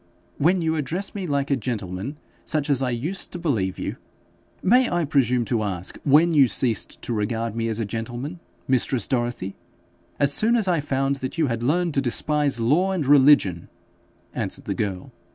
'When you address me like a gentleman, such as I used to believe you ' 'May I presume to ask when you ceased to regard me as a gentleman, mistress Dorothy?' 'As soon as I found that you had learned to despise law and religion,' answered the girl.